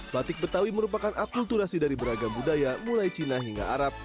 batik betawi merupakan akulturasi dari beragam budaya mulai cina hingga arab